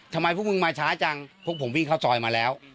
ทำไมพวกมึงมาช้าจังพวกผมวิ่งเข้าซอยมาแล้ว